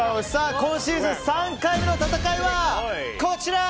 今シーズン３回目の戦いはこちら！